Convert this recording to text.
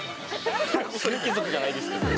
ここ、鳥貴族じゃないですけど。